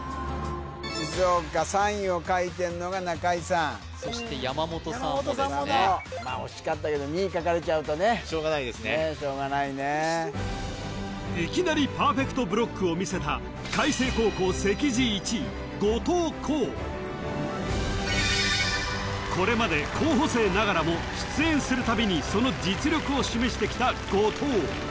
静岡３位を書いてんのが中井さんそして山本さんもですね惜しかったけど２位書かれちゃうとねしょうがないですねねえしょうがないねいきなりパーフェクトブロックをみせたこれまで候補生ながらも出演するたびにその実力を示してきた後藤